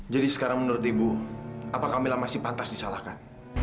jadi sekarang menurut ibu apa kamila masih pantas disalahkan